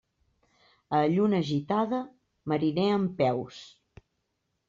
A lluna gitada, mariner en peus.